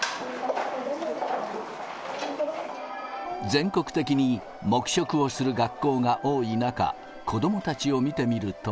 全国的に黙食をする学校が多い中、子どもたちを見てみると。